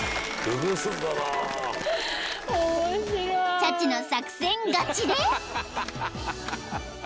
［チャチの作戦勝ちで］